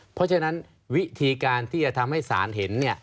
เพราะฉะนั้นวิธีการที่จะทำให้ศาลเห็น